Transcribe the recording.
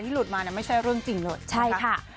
กล่องได้